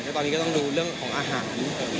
ตอนนี้ก็ต้องดูเรื่องของอาหาร